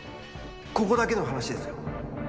ここだけの話ですよ。